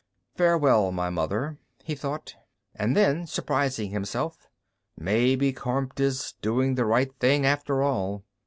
Farewell, my mother, he thought. And then, surprising himself: _Maybe Kormt is doing the right thing after all.